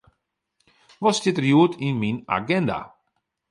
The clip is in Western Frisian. Wat stiet der hjoed yn myn aginda?